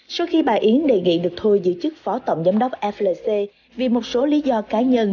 sau khi bà yến đề nghị được thôi giữ chức phó tổng giám đốc flc vì một số lý do cá nhân